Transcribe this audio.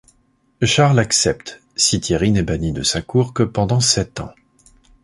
Charles accepte, si Thierry n'est bannit de sa cour que pendant sept ans.